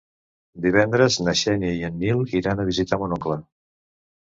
Divendres na Xènia i en Nil iran a visitar mon oncle.